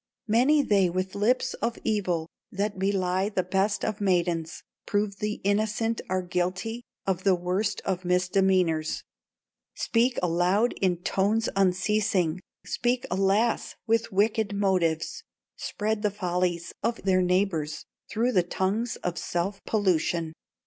Many they with lips of evil, That belie the best of maidens, Prove the innocent are guilty Of the worst of misdemeanors, Speak aloud in tones unceasing, Speak, alas! with wicked motives, Spread the follies of their neighbors Through the tongues of self pollution.